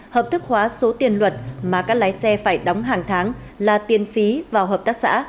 hợp thức hóa số tiền luật mà các lái xe phải đóng hàng tháng là tiền phí vào hợp tác xã